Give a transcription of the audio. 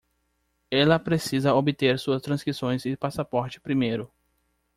Ela precisa obter suas transcrições e passaporte primeiro.